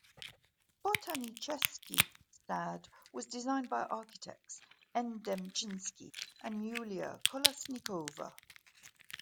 Botanichesky Sad was designed by architects N. Demchinsky and Yuliya Kolesnikova.